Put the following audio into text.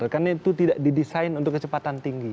karena itu tidak didesain untuk kecepatan tinggi